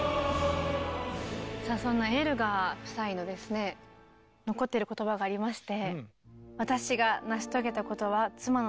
さあそんなエルガー夫妻のですね残ってる言葉がありまして。